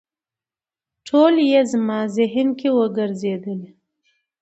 ټولې یې زما ذهن کې وګرځېدلې.